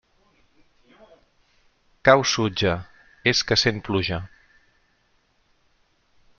Cau sutja; és que sent pluja.